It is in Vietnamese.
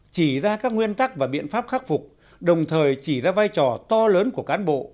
chỉ ra các nguyên tắc và biện pháp khắc phục đồng thời chỉ ra vai trò to lớn của cán bộ